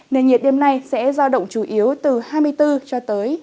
nền nhiệt đêm nay sẽ ra động chủ yếu từ hai mươi bốn hai mươi bảy độ